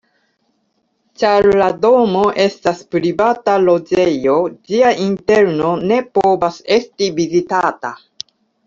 Ĉar la domo estas privata loĝejo, ĝia interno ne povas esti vizitata.